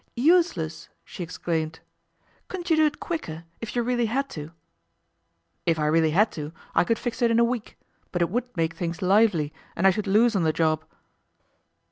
'Useless!' she exclaimed. 'Couldn't you do it quicker, if you really had to?' 'If I really had to, I could fix it in a week, but it would make things lively, and I should lose on the job.